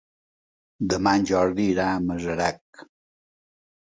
Demà en Jordi irà a Masarac.